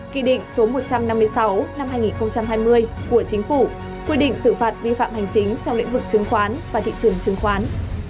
nghị định số một trăm năm mươi sáu năm hai nghìn hai mươi của chính phủ quy định xử phạt vi phạm hành chính trong lĩnh vực chứng khoán và thị trường chứng khoán